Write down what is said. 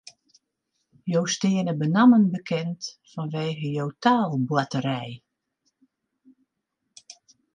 Jo steane benammen bekend fanwege jo taalboarterij.